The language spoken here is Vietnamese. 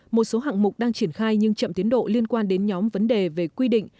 một số hạng mục đang triển khai nhưng chậm tiến độ liên quan đến nhóm vấn đề về quy định